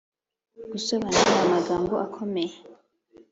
-gusobanura amagambo akomeye;